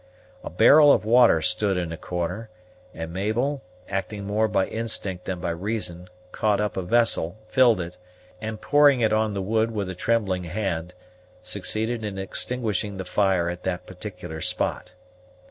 A barrel of water stood in a corner; and Mabel, acting more by instinct than by reason, caught up a vessel, filled it, and, pouring it on the wood with a trembling hand, succeeded in extinguishing the fire at that particular spot.